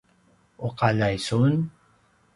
uqaljai sun?